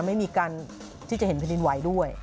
ไม่มีการที่จะเห็นแผ่นดินไหวด้วย